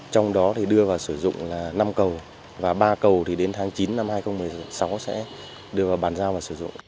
trong đó đưa vào sử dụng là năm cầu và ba cầu thì đến tháng chín năm hai nghìn một mươi sáu sẽ đưa vào bàn giao và sử dụng